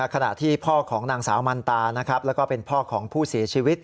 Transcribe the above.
ขณะที่พ่อของนางสาวมันตานะครับแล้วก็เป็นพ่อของผู้เสียชีวิต